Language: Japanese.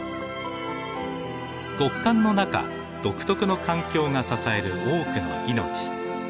極寒の中独特の環境が支える多くの命。